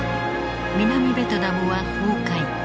南ベトナムは崩壊。